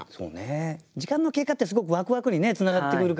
時間の経過ってすごくワクワクにつながってくるから。